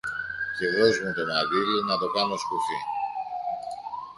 και δωσ' μου το μαντίλι να το κάνω σκουφί.